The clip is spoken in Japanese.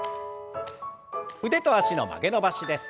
腕と脚の曲げ伸ばしです。